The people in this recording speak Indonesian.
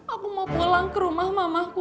aku mau pulang ke rumah mamahku